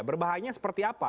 berbahayanya seperti apa